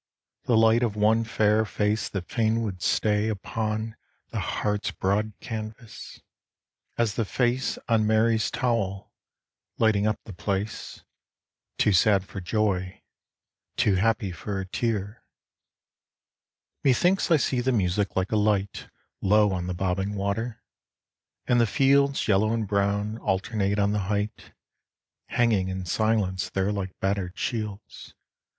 The light of one fair face that fain would stay Upon the heart's broad canvas, as the Face On Mary's towel, lighting up the place. Too sad for joy, too happy for a tear. Methinks I see the music like a light Low on the bobbing water, and the fields Yellow and brown alternate on the height. Hanging in silence there like battered shields.